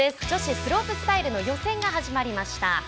女子スロープスタイルの予選が始まりました。